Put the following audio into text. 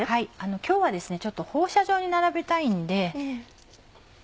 今日はちょっと放射状に並べたいんで。